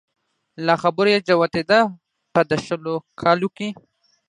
له خبرو يې جوتېده په د شلو کلو کې